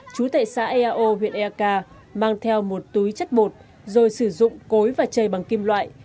trú tại xã eao huyện ea ca mang theo một túi chất bột rồi sử dụng cối và chơi bằng kim loại